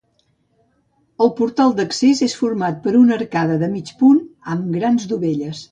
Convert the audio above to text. El portal d'accés és format per una arcada de mig punt amb grans dovelles.